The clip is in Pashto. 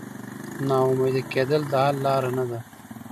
نا امیده کېدل د حل لاره نه ده.